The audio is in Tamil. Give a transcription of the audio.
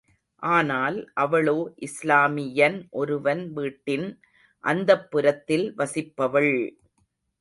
ஆனால் அவளோ இஸ்லாமியன் ஒருவன் வீட்டின் அந்தப்புரத்தில் வசிப்பவள்!